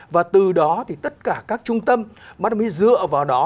và từ đó thì tất cả các trung tâm mới dựa vào đó